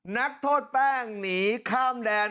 นักโทษแป้งหนีข้ามแดน